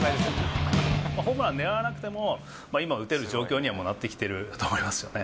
ホームラン狙わなくても、今、打てる状況にはもうなってきていると思いますよね。